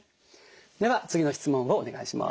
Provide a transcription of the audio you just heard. では次の質問をお願いします。